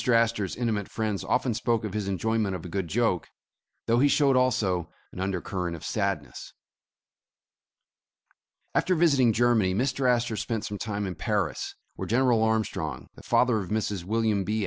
Astor 's intimate friends often spoke of his enjoyment of a good joke, though he showed also an undercurrent of sadness. After visiting Germany, Mr. Astor spent some time in Paris, where General Armstrong, the father of Mrs William B.